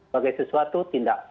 bagi sesuatu tidak